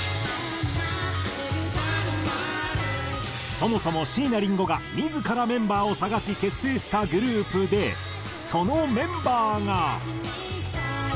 そもそも椎名林檎が自らメンバーを探し結成したグループでそのメンバーが。